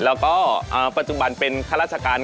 แล้วก็ปัจจุบันเป็นข้าราชการ